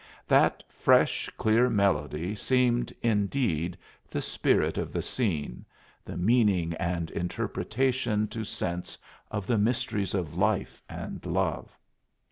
That fresh, clear melody seemed, indeed, the spirit of the scene, the meaning and interpretation to sense of the mysteries of life and love.